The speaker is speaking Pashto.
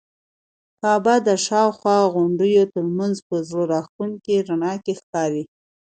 کعبه د شاوخوا غونډیو تر منځ په زړه راښکونکي رڼا کې ښکاري.